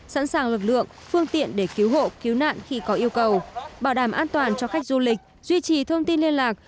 sẵn sàng lực lượng phương tiện để cứu hộ cứu nạn khi có yêu cầu bảo đảm an toàn cho khách du lịch duy trì thông tin liên lạc